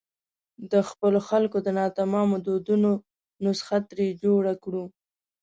د خپلو خلکو د ناتمامو دردونو نسخه ترې جوړه کړو.